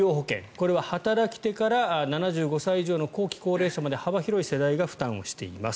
これは働き手から７５歳以上の後期高齢者まで幅広い世代が負担しています。